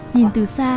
nhìn từ xa